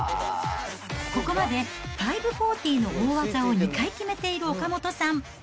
ここまで５４０の大技を２回決めている岡本さん。